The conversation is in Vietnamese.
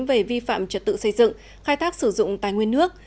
về vi phạm trật tự xây dựng khai thác sử dụng tài nguyên nước